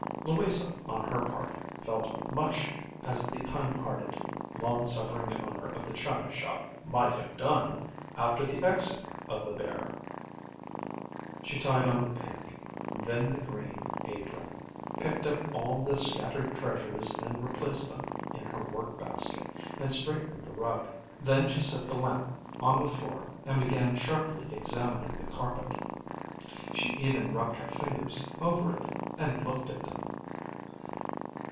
Louisa, on her part, felt much as the kind hearted, long suffering owner of the china shop might have done after the exit of the bear. She tied on the pink, then the green apron, picked up all the scattered treasures and replaced them in her work basket, and straightened the rug. Then she set the lamp on the floor, and began sharply examining the carpet. She even rubbed her fingers over it, and looked at them.